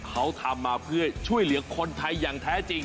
เขาทำมาเพื่อช่วยเหลือคนไทยอย่างแท้จริง